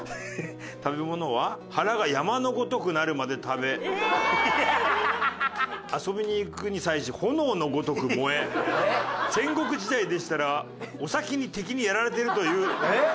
「食べ物は腹が山のごとくなるまで食べ遊びに行くに際し炎のごとくもえ戦国時代でしたらお先に敵にやられているという」えっ？